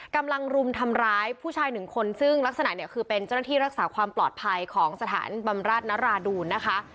รุมทำร้ายผู้ชายหนึ่งคนซึ่งลักษณะเนี่ยคือเป็นเจ้าหน้าที่รักษาความปลอดภัยของสถานบำราชนราดูนนะคะ